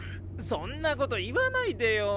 そんな事言わないでよ！